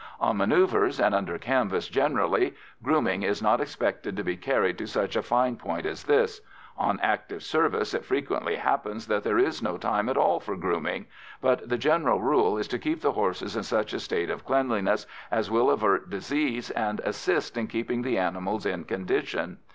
On manœuvres and under canvas generally, grooming is not expected to be carried to such a fine point as this; on active service it frequently happens that there is no time at all for grooming; but the general rule is to keep horses in such a state of cleanliness as will avert disease and assist in keeping the animals in condition.